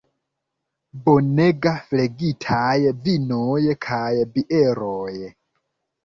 Bonega flegitaj vinoj kaj bieroj.